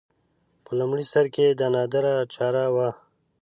په لومړي سر کې دا نادره چاره وه